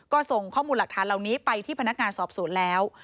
ก็ส่งข้อมูลหลักฐานเหล่านี้ไปที่พนักงานสอบสวนแล้ว